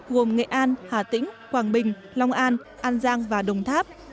gồm nghệ an hà tĩnh quảng bình long an an giang và đồng tháp